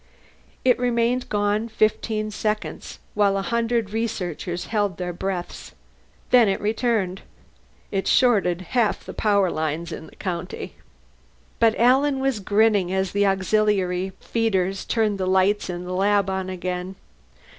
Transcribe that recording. It remained gone fifteen seconds, while a hundred researchers held their breaths. Then it returned. It shorted half the power lines in the county. But Alan was grinning as the auxiliary feeders turned the lights in the lab on again.